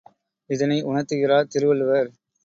இதனை உணர்த்துகிறார் திருவள்ளுவர்.